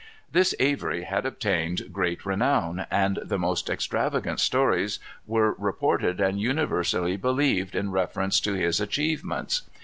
This Avery had obtained great renown, and the most extravagant stories were reported and universally believed in reference to his achievements.